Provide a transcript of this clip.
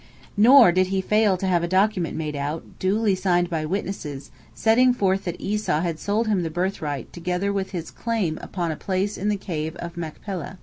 Nor did he fail to have a document made out, duly signed by witnesses, setting forth that Esau had sold him the birthright together with his claim upon a place in the Cave of Machpelah.